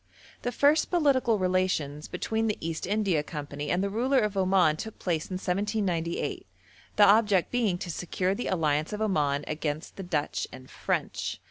The first political relations between the East India Company and the ruler of Oman took place in 1798, the object being to secure the alliance of Oman against the Dutch and French.